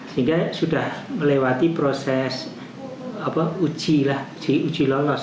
sehingga sudah melewati proses uji uji lolos